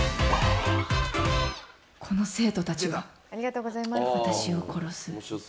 この生徒たちが私を殺す。